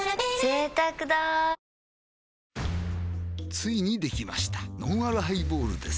ついにできましたのんあるハイボールです